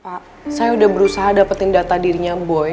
pak saya udah berusaha dapetin data dirinya boy